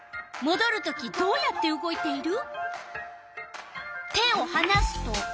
レバーはどうやって動いている？